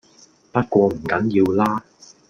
不過唔緊要啦